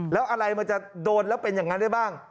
แล้วอะไรมันจะโดนแล้วเป็นอย่างนั้นได้บ้าง